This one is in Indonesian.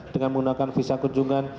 dengan menggunakan visa kunjungan